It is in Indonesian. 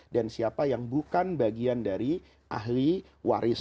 dan siapa yang bukan bagian dari ahli waris